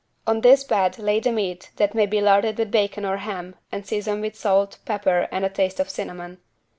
On this bed lay the meat that may be larded with bacon or ham and seasoned with salt, pepper and a taste of cinnamon.